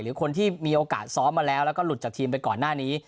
หรือคนที่มีโอกาสซ้อมมาแล้วแล้วก็หลุดจากทีมไปก่อนหน้านี้